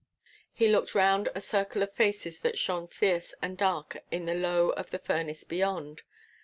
He looked round a circle of faces that shone fierce and dark in the lowe of the furnace beyond.